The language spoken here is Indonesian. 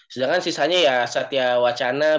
sedangkan sisanya ya satya wacana bima perkasin pak rizwan